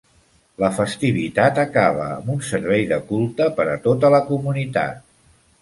La festivitat acaba amb un servei de culte per a tota la comunitat.